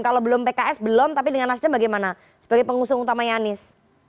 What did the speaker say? kalau belum pks belum tapi dengan nasdem bagaimana sebagai pengusung utamanya anies